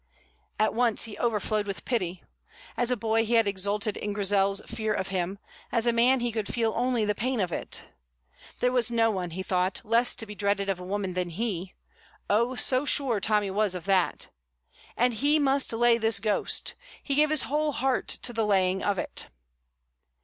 At once he overflowed with pity. As a boy he had exulted in Grizel's fear of him; as a man he could feel only the pain of it. There was no one, he thought, less to be dreaded of a woman than he; oh, so sure Tommy was of that! And he must lay this ghost; he gave his whole heart to the laying of it.